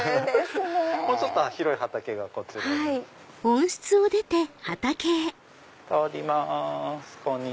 もうちょっと広い畑がこちらに。